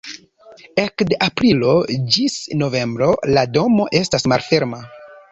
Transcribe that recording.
Ekde aprilo ĝis novembro la domo estas malferma.